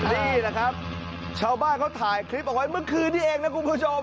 นี่แหละครับชาวบ้านเขาถ่ายคลิปเอาไว้เมื่อคืนนี้เองนะคุณผู้ชม